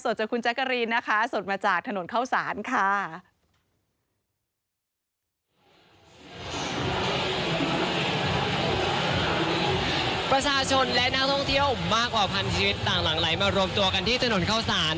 ประชาชนและนักท่องเที่ยวมากกว่าพันชีวิตต่างหลังไหลมารวมตัวกันที่ถนนเข้าสาร